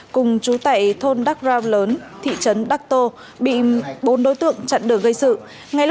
cùng chú tại thôn đắc rau lớn thị trấn đắc tô bị bốn đối tượng chặn đường gây sự